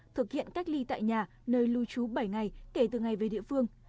thực hiện cách ly tại nhà nơi lưu trú bảy ngày kể từ ngày về địa phương